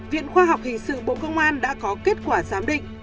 viện khoa học hình sự bộ công an đã có kết quả giám định